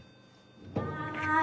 はい。